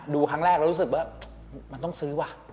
ดูครั้งแรกแล้วรู้สึกว่ามันต้องซื้อว่ะ